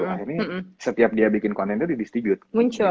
akhirnya setiap dia bikin kontennya di distribute